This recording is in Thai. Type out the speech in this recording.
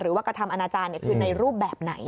หรือว่ากระทำอาณาจารย์คือในรูปแบบไหน